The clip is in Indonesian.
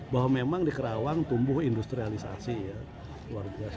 bahwa memang di kerawang tumbuh industrialisasi ya